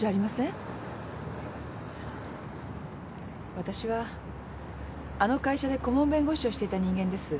わたしはあの会社で顧問弁護士をしていた人間です。